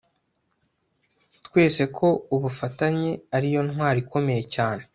twese ko ubufatanye ari yo ntwaro ikomeye cyane